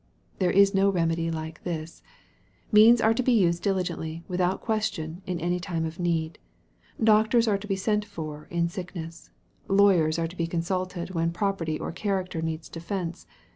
There is no remedy like this. Means are to he used diligently, without question, in any time of need. Doctors are to be sent for, in sickness. Lawyers are to be consulted when property or character needs defence.